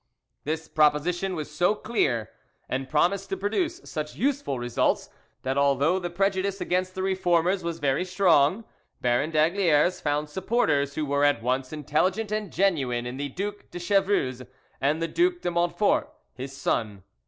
This proposition was so clear and promised to produce such useful results, that although the prejudice against the Reformers was very strong, Baron d'Aygaliers found supporters who were at once intelligent and genuine in the Duke de Chevreuse and the Duke de Montfort, his son.